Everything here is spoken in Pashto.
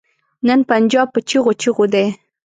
نن پنجاب په چيغو چيغو دی.